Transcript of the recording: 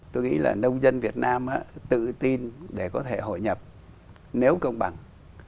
tôi nghĩ là nông dân việt nam tự tin để có thể hội nhập nếu công bằng